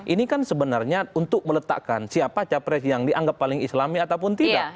ini kan sebenarnya untuk meletakkan siapa capres yang dianggap paling islami ataupun tidak